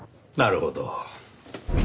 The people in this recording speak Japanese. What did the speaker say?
なるほど。